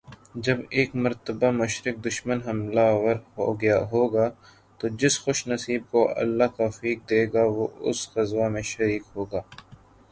جب ایک مرتبہ مشرک دشمن حملہ آور ہو گا، تو جس خوش نصیب کو اللہ توفیق دے گا وہ اس غزوہ میں شریک ہوگا۔۔